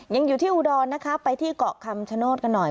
ยังอยู่ที่อุดรนะคะไปที่เกาะคำชโนธกันหน่อย